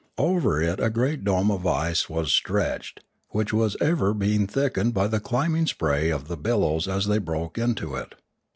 Over it a great dome of ice was stretched, which was ever being thickened by the climbing spray of the bil lows as they broke into it.